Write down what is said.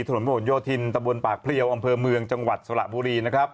ถนนประหลโยธินตะบนปากเพลียวอำเภอเมืองจังหวัดสระบุรีนะครับ